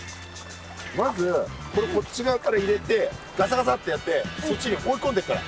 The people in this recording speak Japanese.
まずこれこっち側から入れてガサガサってやってそっちに追い込んでいくから。